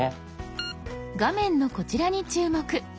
画面のこちらに注目！